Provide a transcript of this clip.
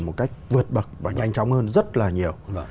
một cách vượt bậc và nhanh chóng hơn rất là nhiều